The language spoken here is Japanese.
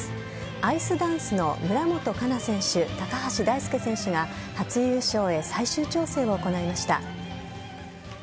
アイスダンスの村元哉中選手・高橋大輔選手が初優勝へ最終調整を行いました。